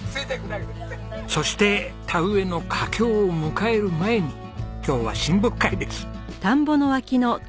そして田植えの佳境を迎える前に今日は親睦会です。